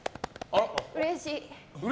うれしい！